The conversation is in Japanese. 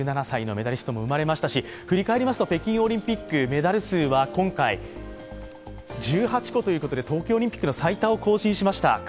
１７歳のメダリストも生まれましたし振り返りますと北京オリンピック、メダルは今回１８個ということで冬季オリンピックの最多を更新しました。